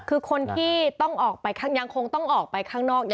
คือคนที่ต้องออกไปยังคงต้องออกไปข้างนอก